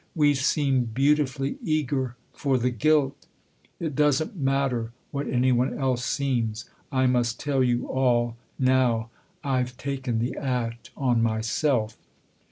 " We seem beautifully eager for the guilt 1 "" It doesn't matter what any one else seems. I must tell you all now. I've taken the act on myself.'